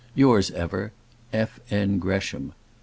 Yours ever, F. N. GRESHAM.